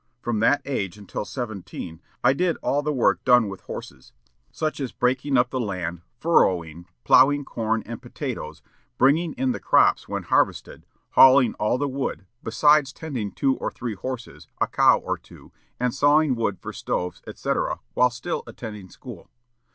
From that age until seventeen I did all the work done with horses, such as breaking up the land, furrowing, ploughing corn and potatoes, bringing in the crops when harvested, hauling all the wood, besides tending two or three horses, a cow or two, and sawing wood for stoves, etc., while still attending school.